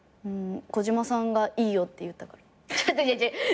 小嶋さんが「いいよ」って言ったから。